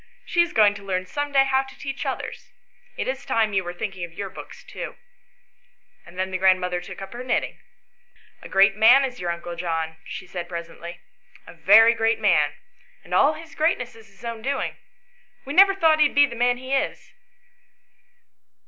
She is going to learn some day how to teach others. It is time you were thinking of your books too." And then the grandmother took up her knitting. "A great man is your uncle John," she said presently, XL] THE STORY OF WILLIE AND FANCY. 117 " a very great man ; and all his greatness is his own doing. We never thought he'd be the man he is."